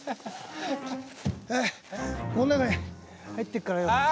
ああこの中に入ってるからよ。